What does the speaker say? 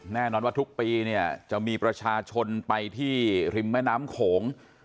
แน่นอนว่าทุกปีเนี่ยจะมีประชาชนไปที่ริมแม่น้ำโขง